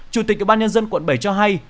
chủ tịch ủy ban nhân dân quận bảy cho hay